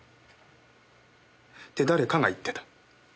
って誰かが言ってた。